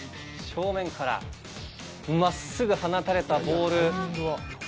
正面から、まっすぐ放たれたボール。